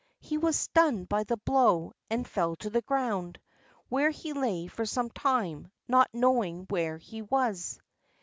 He was stunned by the blow, and fell to the ground, where he lay for some time, not knowing where he was.